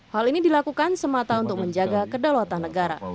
hal ini dilakukan semata untuk menjaga kedaulatan negara